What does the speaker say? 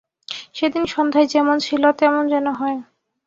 সেদিন সন্ধ্যায় যেমন ছিল তেমন যেন হয়।